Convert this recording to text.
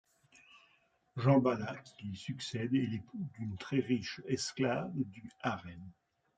Janbalat qui lui succède est l'époux d'une très riche esclave du harem.